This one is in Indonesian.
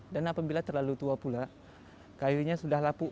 dan apabila terlalu tua pula kayunya sudah lapu